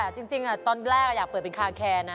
จริงตอนแรกอยากเปิดเป็นคาแคร์นะ